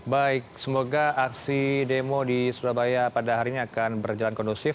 baik semoga aksi demo di surabaya pada hari ini akan berjalan kondusif